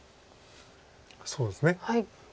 そうですね。